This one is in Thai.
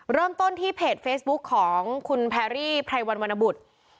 เริ่มต้นที่เพจเฟซบุ๊คของคุณแพรรี่ไพรวันวรรณบุตร